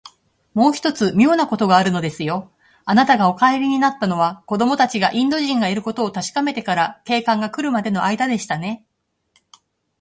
もう一つ、みょうなことがあるのですよ。あなたがお帰りになったのは、子どもたちがインド人がいることをたしかめてから、警官がくるまでのあいだでしたね。